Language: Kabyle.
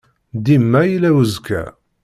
Dima yella uzekka.